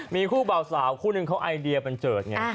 มีคู่เบาสาวคู่นึงเขาไอเดียบันเจิดไง